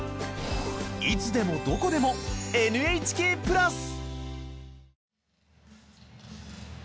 いつでもどこでもＮＨＫプラス。